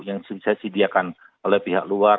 yang bisa didiakan oleh pihak luar